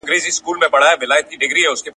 علم رڼا ده، تیاره ورکوي.